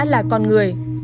là con người